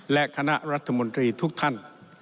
และคณะรัฐมนตรีทุกท่าน